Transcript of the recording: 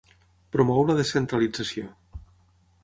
Promou la descentralització.